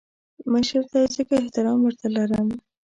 مشر دی ځکه احترام ورته لرم